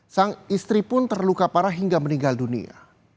sang istri pun terluka parah hingga meninggal dunia